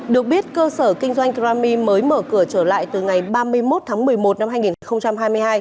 được biết cơ sở kinh doanh krami mới mở cửa trở lại từ ngày ba mươi một tháng một mươi một năm hai nghìn hai mươi hai